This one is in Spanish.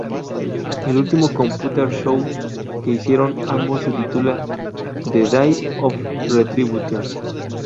El último "Computer Show" que hicieron ambos se titula "The Day of Retribution".